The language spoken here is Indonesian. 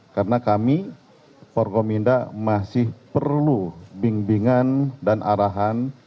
karena kami porkominda masih perlu bimbingan dan arahan